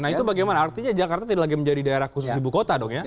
nah itu bagaimana artinya jakarta tidak lagi menjadi daerah khusus ibu kota dong ya